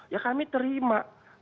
ya kami terima